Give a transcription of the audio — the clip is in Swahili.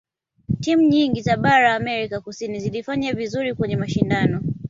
timu nyingi za bara la amerika kusini zilifanya vizuri kwenye mashindano